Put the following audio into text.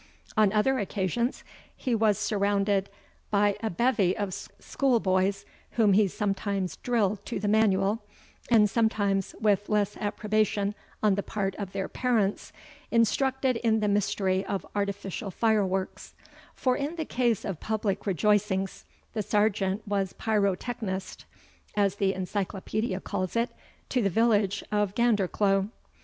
On other occasions, he was surrounded by a bevy of school boys, whom he sometimes drilled to the manual, and sometimes, with less approbation on the part of their parents, instructed in the mystery of artificial fire works; for in the case of public rejoicings, the Sergeant was pyrotechnist (as the Encyclopedia calls it) to the village of Gandercleugh.